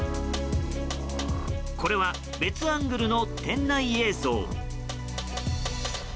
これは別アングルの店内映像。